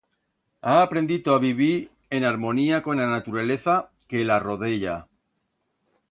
Ha aprendito a vivir en harmonía con a naturaleza que la rodeya.